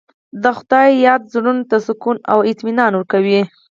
د خدای یاد زړونو ته سکون او اطمینان ورکوي.